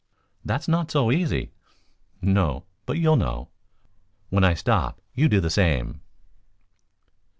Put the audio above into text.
"That's not so easy." "No; but you'll know. When I stop you do the same."